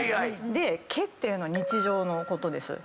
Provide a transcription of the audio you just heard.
でケっていうのは日常のことです。